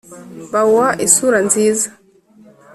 bawuha isura nziza.